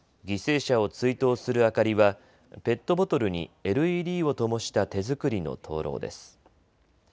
犠牲者を追悼する明かりはペットボトルにＬＥＤをともした手作りの灯籠です。